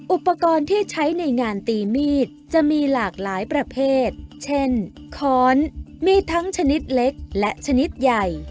อุปกรณ์ที่ใช้ในงานตีมีดจะมีหลากหลายประเภทเช่นค้อนมีทั้งชนิดเล็กและชนิดใหญ่